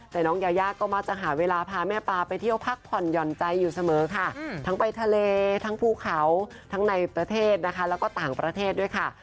แต่น้องยายาก็มักจะหาเวลาพาแม่ปลาไปเที่ยวพักผ่อนหย่อนใจอยู่เสมอค่ะทั้งไปทะเลทั้งภูเขาทั้งในประเทศนะคะแล้วก็ต่างประเทศด้วยค่ะ